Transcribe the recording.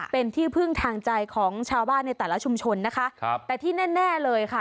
เป็นที่พึ่งทางใจของชาวบ้านในแต่ละชุมชนนะคะครับแต่ที่แน่แน่เลยค่ะ